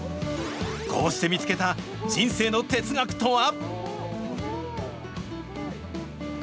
こうして見つけた人生の哲学とは？